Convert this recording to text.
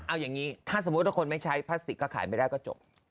เอาอย่างนี้ถ้าสมมุติว่าคนไม่ใช้พลาสติกก็ขายไม่ได้ก็จบ